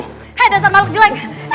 hei dasar makhluk jelek